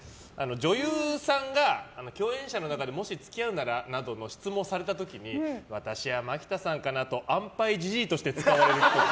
女優さんが、共演者の中でもし付き合うなら？などの質問をされた時に私はマキタさんかなと安牌ジジイとして使われるっぽい。